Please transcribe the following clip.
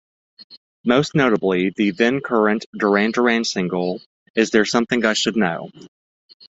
Most notably, the then-current Duran Duran single, Is There Something I Should Know?